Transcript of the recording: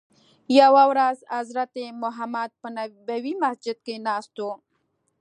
یوه ورځ حضرت محمد په نبوي مسجد کې ناست وو.